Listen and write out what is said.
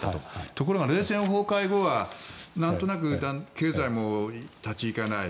ところが冷戦崩壊後はなんとなく経済も立ち行かない